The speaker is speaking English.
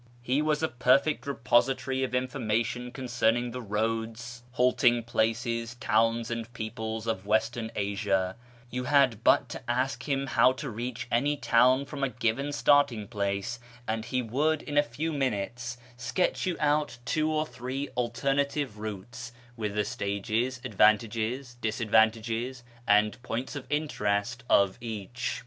He was a per fect repository of information concerning the roads, halting KIRMAn society 477 places, towns, and peoples of Western Asia ; you had but to ask him how to reach any town from a given starting place, and he would in a few minutes sketch you out two or three alternative routes, with the stages, advantages, disadvantages, and points of interest of each.